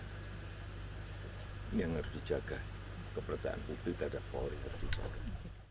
ini yang harus dijaga keberadaan putri tidak ada power harus diperlukan